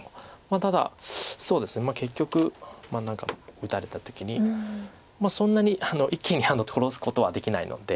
ただそうですね結局まあ何か打たれた時にそんなに一気に取らすことはできないので。